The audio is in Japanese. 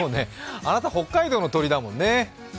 あなた、北海道の鳥だもんね。